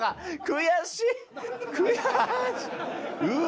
悔しい！